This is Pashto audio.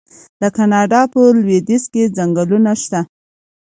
د کاناډا په لویدیځ کې ځنګلونه شته.